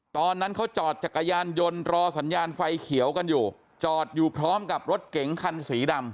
ตอนนั้นเขาจอดจักรยานยนต์รอสัญญาณไฟเขียวกันอยู่จอดอยู่พร้อมกับรถเก๋งคันสีดำ